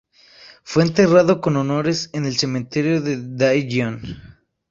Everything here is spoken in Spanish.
Fue enterrado con honores en el cementerio de Daejeon.